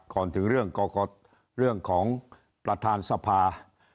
ก่อนถึงเรื่องของประธานสภา